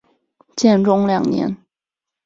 建中二年。